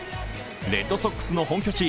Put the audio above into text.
レッドソックスの本拠地